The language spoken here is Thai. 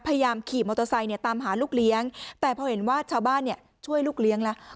พยายามขี่มอเตอร์ไซค์เนี่ยตามหาลูกเลี้ยงแต่พอเห็นว่าชาวบ้านเนี่ยช่วยลูกเลี้ยงแล้ว